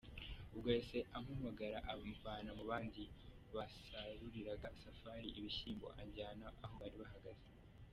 Ubwo yahise ampamagara amvana mu bandi basaruriraga Safari ibishyimbo, anjyana aho bari bahagaze.